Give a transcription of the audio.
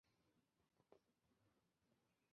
其后继续参与舞台剧等演出。